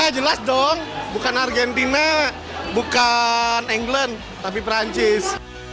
ya jelas dong bukan argentina bukan england tapi perancis